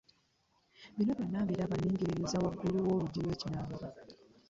Bino byonna mbiraba nningiriza waggulu w'oluggi lw'ekinaabiro.